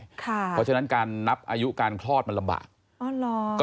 เพราะฉะนั้นการนับอายุการคลอดมันลำบาก